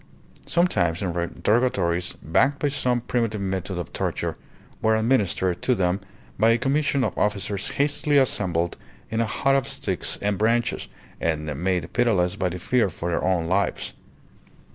Sometimes interrogatories, backed by some primitive method of torture, were administered to them by a commission of officers hastily assembled in a hut of sticks and branches, and made pitiless by the fear for their own lives.